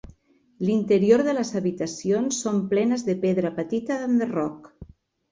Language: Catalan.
L'interior de les habitacions són plenes de pedra petita d'enderroc.